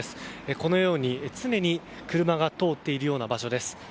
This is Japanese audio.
このように、常に車が通っているような場所です。